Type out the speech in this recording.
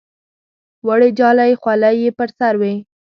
وړې جالۍ خولۍ یې پر سر وې.